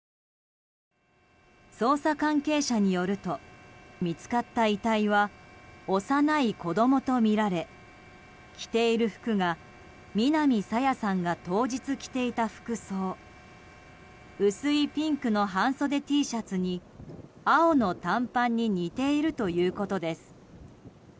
捜査関係者によると見つかった遺体は幼い子供とみられ着ている服が、南朝芽さんが当日着ていた服装薄いピンクの半袖Ｔシャツに青の短パンに似ているということです。